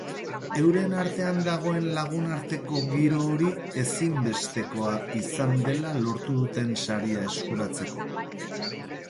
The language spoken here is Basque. Euren artean dagoen lagunarteko giro hori ezinbestekoa izan dela lortu duten saria eskuratzeko.